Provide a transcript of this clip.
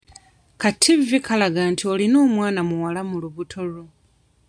Ka ttivi kalaga nti olina mwana muwala mu lubuto lwo.